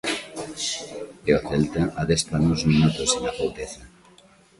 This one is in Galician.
E o Celta adestra nuns minutos en Afouteza.